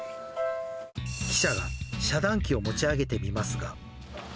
記者が遮断機を持ち上げてみますが。